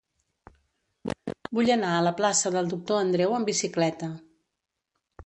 Vull anar a la plaça del Doctor Andreu amb bicicleta.